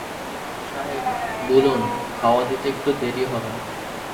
ইমাম সাহেব বুলুন, খাওয়া দিতে একটু দেরি হবে।